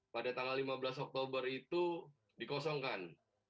pada tanggal lima belas oktober itu dikosongkan